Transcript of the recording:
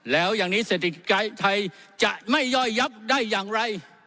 แล้วอย่างนี้เศรษฐกิจไทยจะไม่ย่อยยับได้อย่างไร